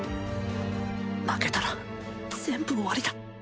負けたら全部終わりだ。